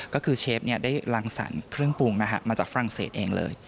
ก็คือเชฟได้รังสรรค์เครื่องปรุงมาจากฝรั่งเศสเองเลย